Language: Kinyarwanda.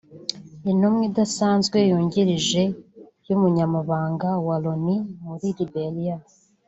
Intumwa idasanzwe yungirije y’Umunyamabanga wa Loni muri Liberia